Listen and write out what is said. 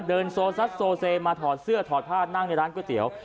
เดินโซซัดโซเซมาถอดเสื้อถอดผ้านั่งในร้านก๋วยเตี๋ยว